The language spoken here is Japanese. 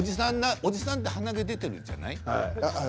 おじさんって鼻毛が出ているじゃない？